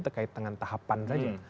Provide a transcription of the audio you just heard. terkait dengan tahapan saja